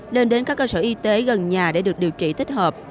nên đến các cơ sở y tế gần nhà để được điều trị thích hợp